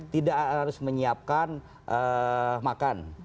tidak harus menyiapkan makan